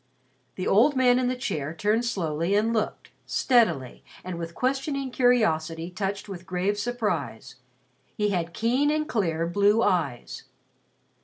The old man in the chair turned slowly and looked, steadily, and with questioning curiosity touched with grave surprise. He had keen and clear blue eyes.